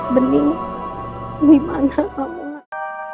bening dimana kamu mas